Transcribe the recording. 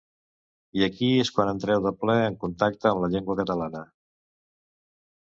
I aquí és quan entreu de ple en contacte amb la llengua catalana.